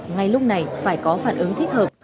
ngay lúc này phải có phản ứng thích hợp